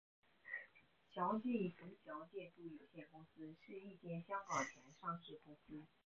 祥记冯祥建筑有限公司是一间香港前上市公司。